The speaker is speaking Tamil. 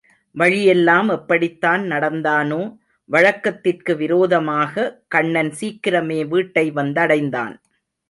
வழியெல்லாம் எப்படித்தான் நடந்தானோ, வழக்கத்திற்கு விரோதமாக கண்ணன் சீக்கிரமே வீட்டை வந்தடைந்தான்.